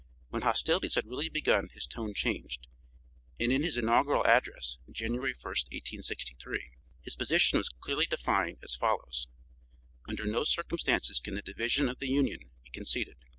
When hostilities had really begun his tone changed, and in his inaugural address, January 1st, 1863, his position was clearly defined as follows: "Under no circumstances can the division of the Union be conceded.